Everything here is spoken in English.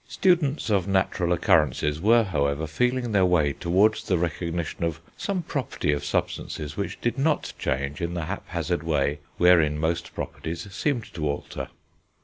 Students of natural occurrences were, however, feeling their way towards the recognition of some property of substances which did not change in the haphazard way wherein most properties seemed to alter.